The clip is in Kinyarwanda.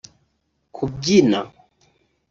kubyina